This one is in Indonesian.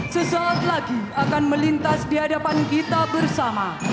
sesaat lagi akan melintas di hadapan kita bersama